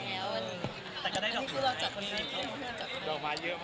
แต่ก็ได้จากคืนไหม